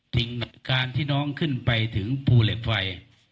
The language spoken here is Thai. ถึงการที่น้องขึ้นไปถึงภูเหล็กไฟ